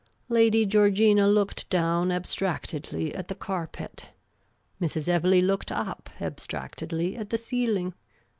Lady Georgina looked down abstractedly at the carpet. Mrs. Evelegh looked up abstractedly at the ceiling.